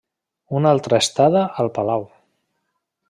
Una altra estada al palau.